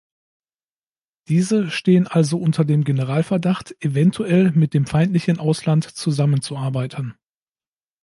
Diese stehen also unter dem Generalverdacht, eventuell mit dem feindlichen Ausland zusammenzuarbeiten.